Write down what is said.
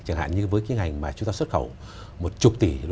chẳng hạn như với cái ngành mà chúng ta xuất khẩu